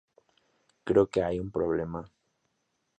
Creo que hay un problema.